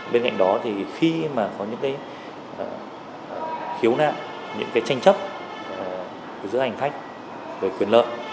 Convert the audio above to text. bên cạnh đó thì khi mà có những cái khiếu nại những cái tranh chấp giữa hành khách về quyền lợi